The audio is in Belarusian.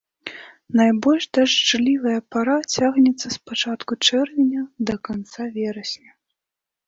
Найбольш дажджлівая пара цягнецца з пачатку чэрвеня да канца верасня.